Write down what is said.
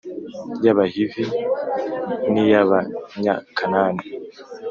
y Abahivi k n iy Abanyakanani